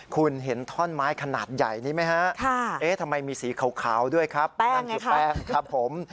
คุณเห็นท่อนไม้ขนาดใหญ่นี้ไหมฮะเอ๊ะทำไมมีสีขาวด้วยครับนั่นคือแป้งครับผม